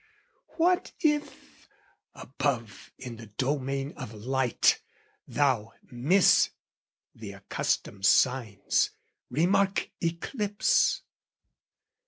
"What if, above in the domain of light, "Thou miss the accustomed signs, remark eclipse?